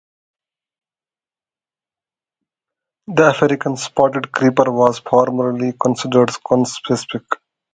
The African spotted creeper was formerly considered conspecific.